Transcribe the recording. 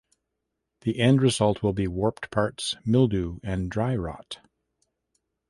The end result will be warped parts, mildew, and dry rot.